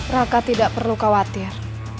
raka tidak perlu khawatir